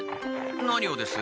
何をです？